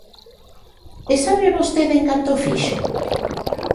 ¿E sabe vostede en canto o fixo?